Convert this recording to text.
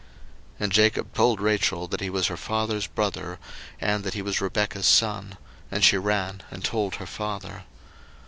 01:029:012 And Jacob told Rachel that he was her father's brother, and that he was Rebekah's son: and she ran and told her father.